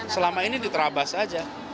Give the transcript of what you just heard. selama ini diterabas saja